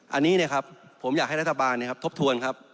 อันนี้ผมอยากให้รัฐบาลทบทวน